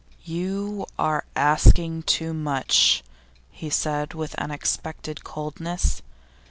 'You are asking too much,' he said, with unexpected coldness.